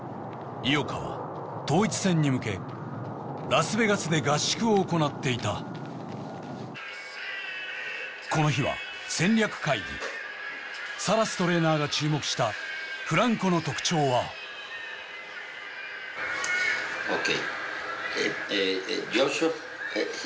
井岡は統一戦に向けラスベガスで合宿を行っていたこの日は戦略会議サラストレーナーが注目したフランコの特徴はＯＫ